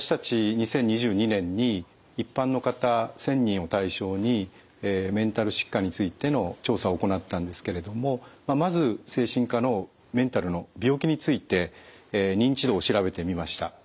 ２０２２年に一般の方１，０００人を対象にメンタル疾患についての調査を行ったんですけれどもまず精神科のメンタルの病気について認知度を調べてみました。